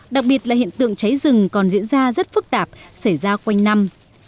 đặc biệt là hiện tượng cháy rừng còn diễn ra rất phức tạp xảy ra quanh năm